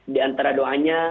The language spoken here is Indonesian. di antara doanya